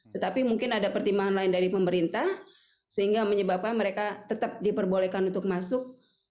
tetapi mungkin ada pertimbangan lain dari pemerintah sehingga menyebabkan mereka tetap diperbolehkan untuk masuk